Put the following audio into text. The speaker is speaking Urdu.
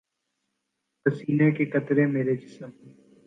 پسینے کے قطرے میرے جسم